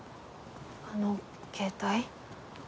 あの携帯？